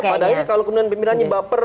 pada akhirnya kalau pimpinannya baper